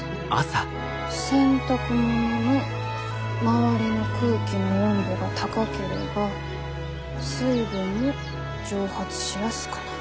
洗濯物の周りの空気の温度が高ければ水分も蒸発しやすくなる。